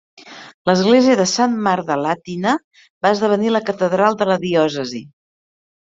L'església de Sant Marc a Latina va esdevenir la catedral de la diòcesi.